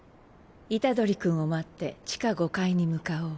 虎杖君を待って地下５階に向かおう。